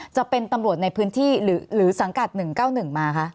จะเป็นตำรวจในพื้นที่หรือสังกัด๑๙๑มาคะ